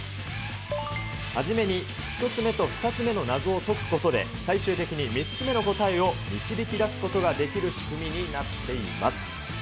初めに１つ目と２つ目の謎を解くことで、最終的に３つ目の答えを導き出すことができる仕組みになっています。